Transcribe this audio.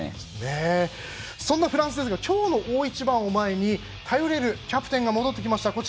そのフランスですが今日の大一番を前に頼れる選手が戻ってきました。